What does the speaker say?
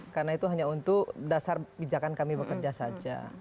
karena itu hanya untuk dasar bijakan kami bekerja saja